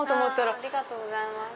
ありがとうございます。